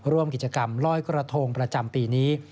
ร่วมกิจกรรมลอยกระทงประจำปีนี้